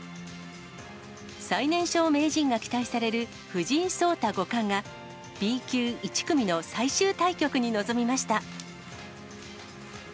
最年少名人が期待される藤井聡太五冠が、Ｂ級１組の最終対局に臨みました。